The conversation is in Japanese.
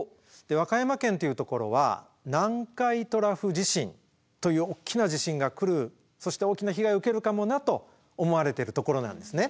和歌山県っていうところは南海トラフ地震というおっきな地震が来るそして大きな被害を受けるかもなと思われてるところなんですね。